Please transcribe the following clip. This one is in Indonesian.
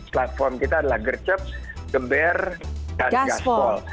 platform kita adalah gercep geber dan gaspol